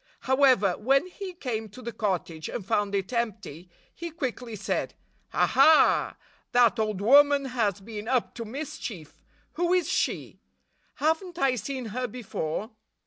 However, when he came to the cottage and found it empty, he quickly said, "Aha! That old woman has been up to mischief! Who is she? Have n't I seen her before?